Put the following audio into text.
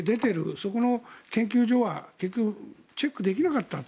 そこの研究所は結局、チェックできなかった。